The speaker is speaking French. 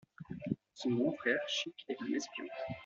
Son grand-frère, Chic, est un espion.